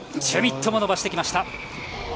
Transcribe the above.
シュミットも伸ばしてきました。